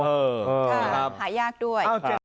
หายากด้วย